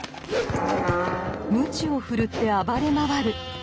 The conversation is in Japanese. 鞭を振るって暴れ回る！